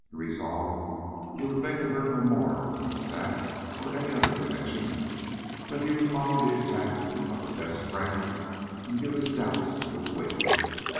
He resolved he would think of her no more in that or any other connection; that he would follow the example of her best friend, and give his doubts to the wind.